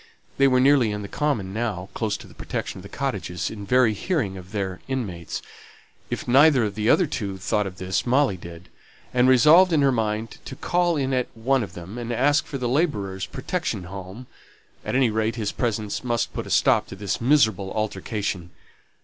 They were nearly on the common now, close to the protection of the cottages, in very hearing of their inmates; if neither of the other two thought of this, Molly did, and resolved in her mind to call in at one of them, and ask for the labourer's protection home; at any rate his presence must put a stop to this miserable altercation.